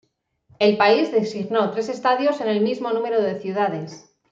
El país designó tres estadios en el mismo número de ciudades.